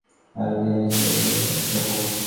মাসিমা যদি মনে রাখেন তবে আর-এক দিন এসে প্রসাদ খাব।